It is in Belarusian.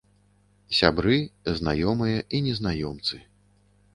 Сябры, знаёмыя і незнаёмцы.